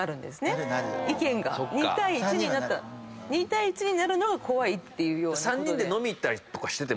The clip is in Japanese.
２対１になるのが怖いっていうような。